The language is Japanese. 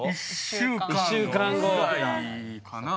１週間ぐらいかな？